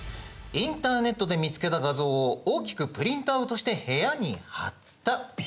インターネットで見つけた画像を大きくプリントアウトして部屋に貼った。